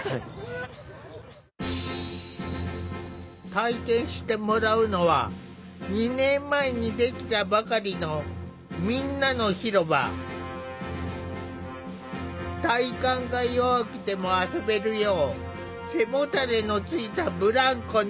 体験してもらうのは２年前に出来たばかりの体幹が弱くても遊べるよう背もたれのついたブランコに。